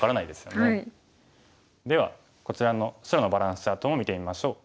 ではこちらの白のバランスチャートも見てみましょう。